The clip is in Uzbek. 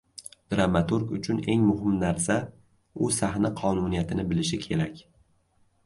Dramaturg uchun eng muhim narsa, u sahna qonuniyatini bilishi kerak.